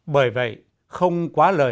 bởi vậy không quá lời